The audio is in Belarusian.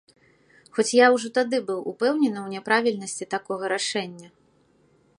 Хоць я ўжо тады быў упэўнены ў няправільнасці такога рашэння.